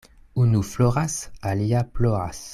Unu floras, alia ploras.